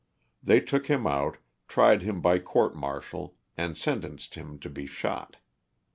They took him out, tried him by court martial and sentenced him to be shot.